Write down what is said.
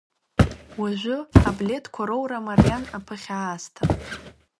Уажәы, аблеҭқәа раура мариан аԥыхьа аасҭа.